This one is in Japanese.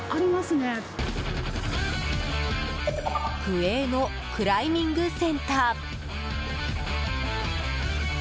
区営のクライミングセンター。